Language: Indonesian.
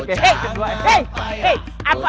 oke ketep dua ya